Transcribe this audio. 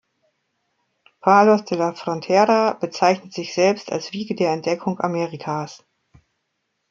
Palos de la Frontera bezeichnet sich selbst als „Wiege der Entdeckung Amerikas“.